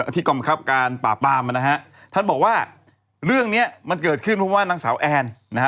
ที่กองบังคับการปราบปามนะฮะท่านบอกว่าเรื่องเนี้ยมันเกิดขึ้นเพราะว่านางสาวแอนนะฮะ